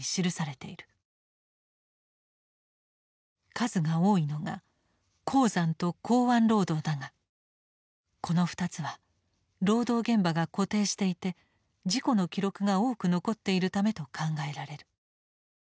数が多いのが鉱山と港湾労働だがこの２つは労働現場が固定していて事故の記録が多く残っているためと考えられる。